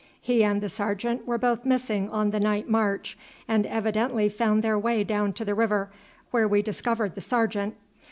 He and the sergeant were both missing on the night march, and evidently found their way down to the river where we discovered the sergeant.